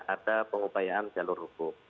ada pengupayaan jalur hukum